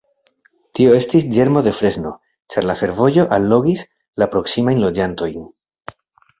Tio estis ĝermo de Fresno, ĉar la fervojo allogis la proksimajn loĝantojn.